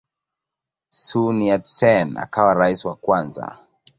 Sun Yat-sen akawa rais wa kwanza.